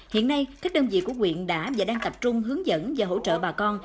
hiện nay các đơn vị của quyện đã và đang tập trung hướng dẫn và hỗ trợ bà con